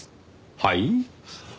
はい？